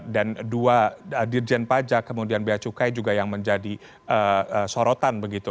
dan dua dirjen pajak kemudian bea cukai juga yang menjadi sorotan begitu